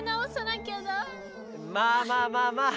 まあまあまあまあ。